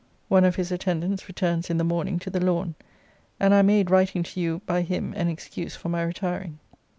One of his attendants returns in the morning to The Lawn; and I made writing to you by him an excuse for my retiring.